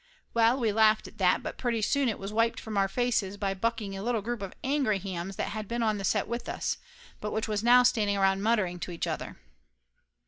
Well, we laughed at that, but pretty soon it was wiped from our faces by bucking a little group of 136 Laughter Limited angry hams that had been on the set with us, but which was now standing around muttering to each other.